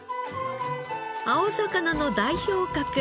青魚の代表格。